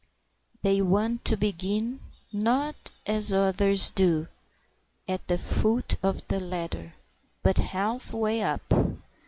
They want to begin, not as others do, at the foot of the ladder, but half way up.